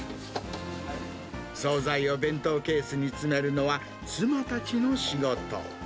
総菜を弁当ケースに詰めるのは、妻たちの仕事。